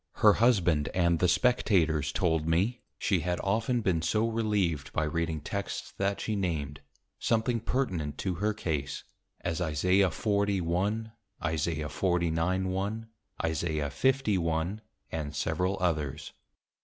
Her Husband and the Spectators told me, she had often been so relieved by reading Texts that she named, something pertinent to her Case; as Isa. 40.1. Isa. 49.1. Isa. 50.1. and several others.